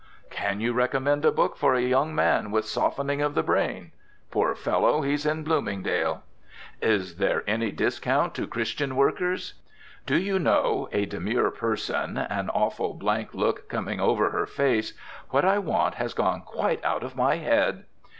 '" "Can you recommend a book for a young man with softening of the brain? Poor fellow, he's in Bloomingdale." "Is there any discount to Christian workers?" "Do you know," a demure person, an awful blank look coming over her face, "what I want has gone quite out of my head."